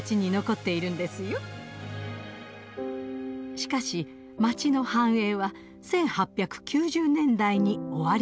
しかし街の繁栄は１８９０年代に終わりを迎えます。